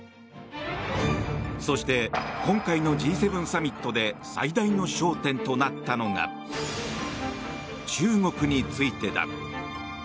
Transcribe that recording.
そして、今回のＧ７サミットで最大の焦点となったのが中国についてだ。